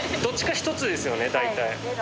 どっちか１つですよね大体。